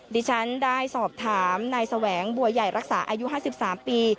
ดิฉันได้สอบถามนายแสวงบัวใหญ่รักษาอายุ๕๓ปี